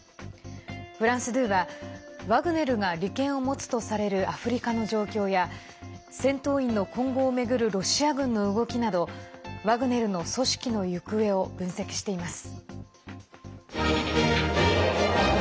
フランス２はワグネルが利権を持つとされるアフリカの状況や戦闘員の今後を巡るロシア軍の動きなど、ワグネルの組織の行方を分析しています。